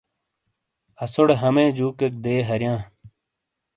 اسوڑے ہَمے جُوکیک دے ہَریاں۔